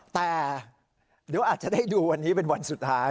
แต่เดี๋ยวอาจจะได้ดูวันนี้เป็นวันสุดท้าย